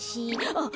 あっ！